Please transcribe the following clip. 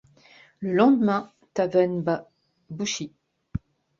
Le lendemain, Taven bat Bushi.